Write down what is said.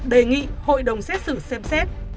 đề nghị hội đồng xét xử xem xét